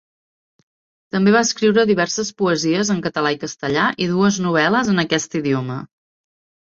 També va escriure diverses poesies en català i castellà i dues novel·les en aquest idioma.